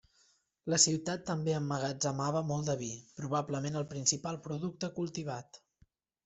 La ciutat també emmagatzemava molt de vi, probablement el principal producte cultivat.